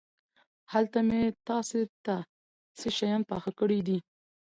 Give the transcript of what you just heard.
هلته مې تاسو ته څه شيان پاخه کړي دي.